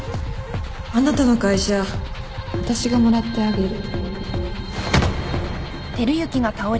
あなたの会社私がもらってあげる